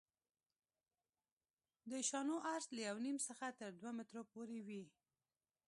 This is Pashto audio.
د شانو عرض له یو نیم څخه تر دوه مترو پورې وي